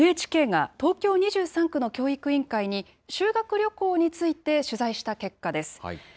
ＮＨＫが東京２３区の教育委員会に、修学旅行について取材した結果です。